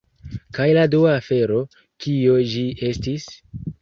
Kaj la dua afero... kio ĝi estis?